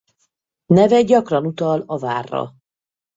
Neve gyakran utal a várra.